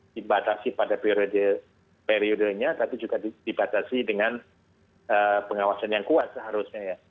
dibatasi pada periodenya tapi juga dibatasi dengan pengawasan yang kuat seharusnya ya